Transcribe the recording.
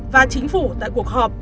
và chính phủ tại cuộc họp